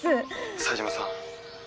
冴島さん。